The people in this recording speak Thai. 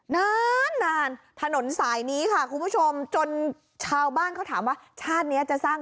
นานนานถนนสายนี้ค่ะคุณผู้ชมจนชาวบ้านเขาถามว่าชาตินี้จะสร้าง